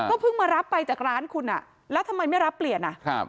เพิ่งมารับไปจากร้านคุณอ่ะแล้วทำไมไม่รับเปลี่ยนอ่ะครับ